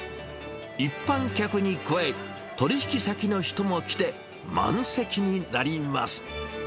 一般客に加え、取り引き先の人も来て、満席になります。